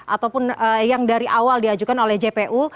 ataupun yang dari awal diajukan oleh jpu